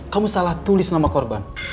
kamu salah tulis nama korban